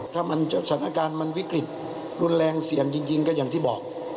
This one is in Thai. ถ้าสถานการณ์มันวิกฤตรุนแรงเสี่ยงจริงก็อย่างที่บอก